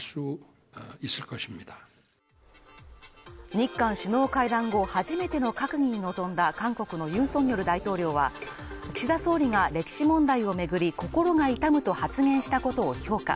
日韓首脳会談後初めての閣議に臨んだ韓国のユン・ソンニョル大統領は岸田総理が歴史問題を巡り心が痛むと発言したことを評価。